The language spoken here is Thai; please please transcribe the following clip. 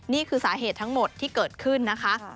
นี่คือสาเหตุทั้งหมดที่เกิดขึ้นนะคะ